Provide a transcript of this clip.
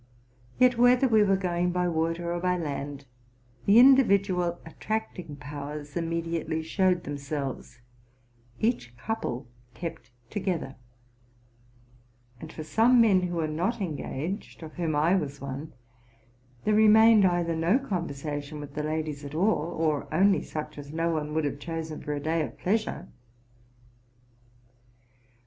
Yet, whether we were going by water r by land, the individual attracting powers immediately slieiad themselves ; each couple kept together: and for some men who were not engaged, of whom I was one, there re mained either no conversation with the ladies at all, or only such as no one would have chosen for a day of pleasure.